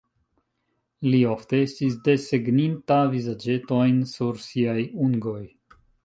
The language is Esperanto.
Li ofte estis desegninta vizaĝetojn sur siaj ungoj.